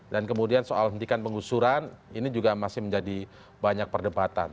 dan kemudian soal hentikan pengusuran ini juga masih menjadi banyak perdebatan